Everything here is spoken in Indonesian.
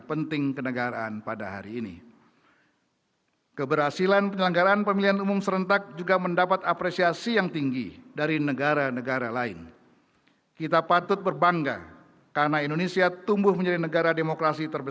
yang mulia noh yong min utusan khusus presiden republik korea